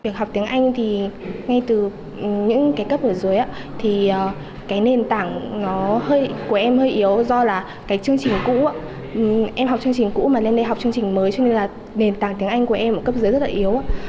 các em cũng chỉ được học một chương trình cũ mà lên đây học chương trình mới cho nên là nền tảng tiếng anh của em cấp dưới rất là yếu